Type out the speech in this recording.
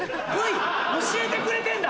教えてくれてんだ！